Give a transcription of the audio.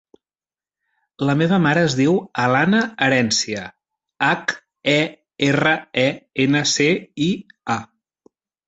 La meva mare es diu Alana Herencia: hac, e, erra, e, ena, ce, i, a.